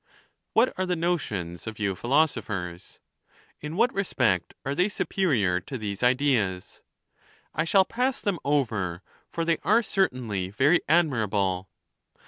XVI. What are the notions of you philosophers? In what respect are they superior to these ideas? I shall pass them over; for they are certainly very admirable.